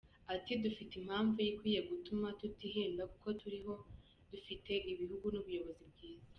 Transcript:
Ati “Dufite impamvu ikwiye gutuma tutiheba kuko turiho, dufite igihugu n’ubuyobozi bwiza.